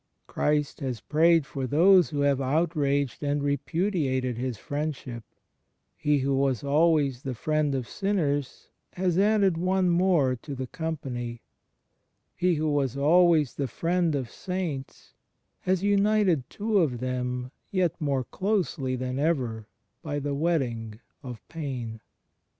Christ has prayed for those who have outraged and repudiated His Friendship: He who was always the Friend of Sinners has added one more to the company : He who was always the Friend of Saints has united two of them yet more closely than ever by the wedding of Pain.